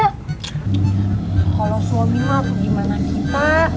kalo suami mah bagaimana kita